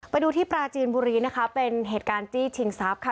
ไปดูที่ปราจีนบุรีนะคะเป็นเหตุการณ์จี้ชิงทรัพย์ค่ะ